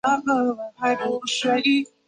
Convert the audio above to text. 他也被评为最有价值球员。